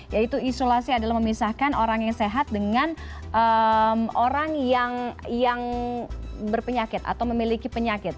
yaitu isolasi adalah memisahkan orang yang sehat dengan orang yang berpenyakit atau memiliki penyakit